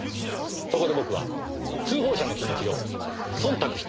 そこで僕は通報者の気持ちを忖度してみました。